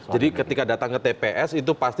jadi ketika datang ke tps itu pasti